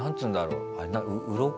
うろこ？